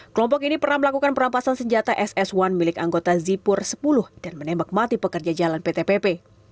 kelompok ini pernah melakukan perampasan senjata ss satu milik anggota zipur sepuluh dan menembak mati pekerja jalan pt pp